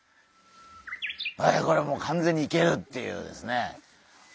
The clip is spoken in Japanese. これもう完全にいけるっていうですね。